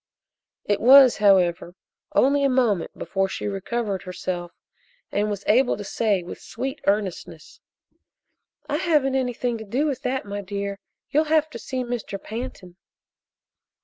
It was, however, only a moment before she recovered herself and was able to say with sweet earnestness: "I haven't anything to do with that, my dear. You'll have to see Mr. Pantin."